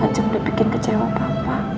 ajeng dibikin kecewa pak